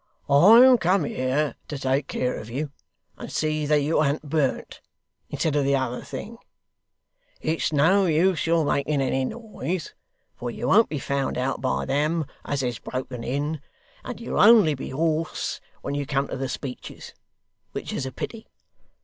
I'm come here to take care of you, and see that you an't burnt, instead of the other thing. It's no use your making any noise, for you won't be found out by them as has broken in, and you'll only be hoarse when you come to the speeches, which is a pity.